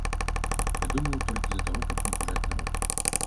Я думаю, толькі з-за таго, каб напужаць народ.